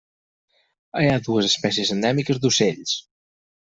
Hi ha dues espècies endèmiques d'ocells.